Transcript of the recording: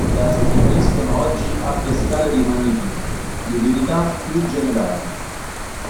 A essa si preferiscono oggi altre scale di magnitudo, di utilità più generale.